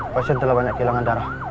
pasien telah banyak kehilangan darah